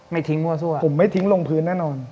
ไม่ทิ้งมั่วซั่วผมไม่ทิ้งลงพื้นแน่นอน